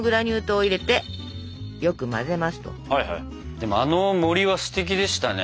でもあの森はすてきでしたね。